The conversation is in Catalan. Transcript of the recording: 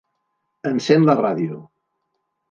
Encén la ràdio.